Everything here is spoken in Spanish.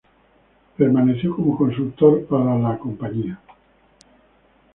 Permaneció como consultor para la Wrigley Co.